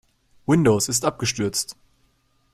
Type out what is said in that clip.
Windows ist abgestürzt.